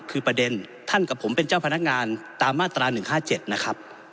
คือประเด็นท่านกับผมเป็นเจ้าพนักงานตามมาตรา๑๕๗นะครับ